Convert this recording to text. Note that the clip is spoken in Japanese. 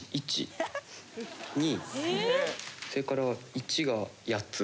「それから１が８つ。